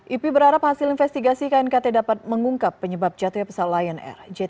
ipi berharap hasil investigasi knkt dapat mengungkap penyebab jatuhnya pesawat lion air jt